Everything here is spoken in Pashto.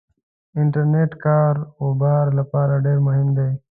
انټرنيټ دکار وبار لپاره ډیرمهم دی